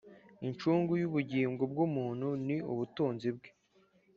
Incungu y ubugingo bw umuntu ni ubutunzi bwe